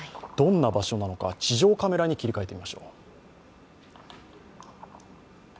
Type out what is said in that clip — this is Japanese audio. どんな場所なのか地上カメラに切り替えてみましょう。